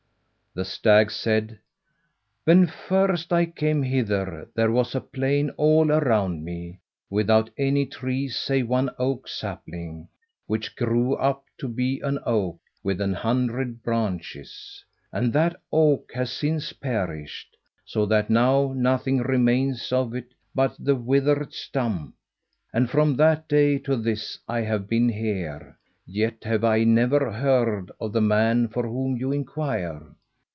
The stag said, "When first I came hither there was a plain all around me, without any trees save one oak sapling, which grew up to be an oak with an hundred branches. And that oak has since perished, so that now nothing remains of it but the withered stump; and from that day to this I have been here, yet have I never heard of the man for whom you inquire.